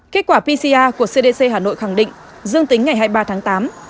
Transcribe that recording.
kết quả pcr của cdc hà nội khẳng định dương tính ngày hai mươi ba tháng tám